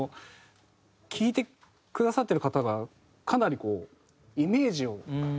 聴いてくださってる方がかなりこう。